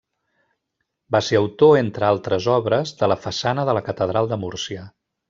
Va ser autor, entre altres obres, de la façana de la catedral de Múrcia.